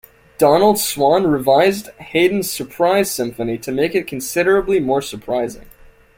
Donald Swann revised Haydn's "Surprise" Symphony to make it considerably more surprising.